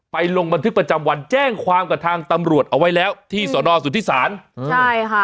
ลงบันทึกประจำวันแจ้งความกับทางตำรวจเอาไว้แล้วที่สอนอสุทธิศาลใช่ค่ะ